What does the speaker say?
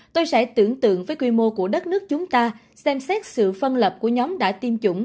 tôi sẽ tưởng tượng với quy mô của đất nước chúng ta xem xét sự phân lập của nhóm đã tiêm chủng